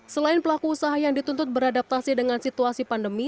selain pelaku usaha yang dituntut beradaptasi dengan situasi pandemi